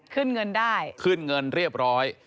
ขึ้นเงินได้ขึ้นเงินเรียบร้อย